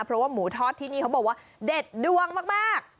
เพราะว่าหมูทอดที่นี่เขาบอกว่าเด็ดดวงมาก